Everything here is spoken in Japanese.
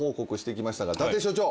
伊達所長。